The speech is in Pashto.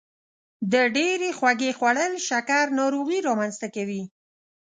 د ډیرې خوږې خوړل شکر ناروغي رامنځته کوي.